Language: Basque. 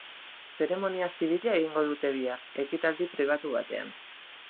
Zeremonia zibila egingo dute bihar, ekitaldi pribatu batean.